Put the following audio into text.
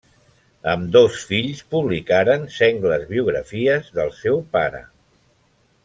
Ambdós fills publicaren sengles biografies del seu pare.